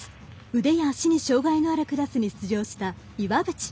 腕や足に障がいのあるクラスに出場した岩渕。